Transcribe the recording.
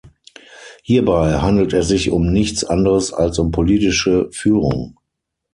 Hierbei handelt es sich um nichts anderes als um politische Führung.